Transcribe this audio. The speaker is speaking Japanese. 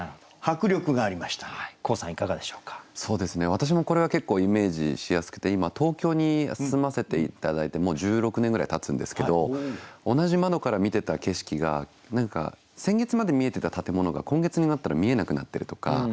私もこれは結構イメージしやすくて今東京に住ませて頂いてもう１６年ぐらいたつんですけど同じ窓から見てた景色が先月まで見えてた建物が今月になったら見えなくなってるとか。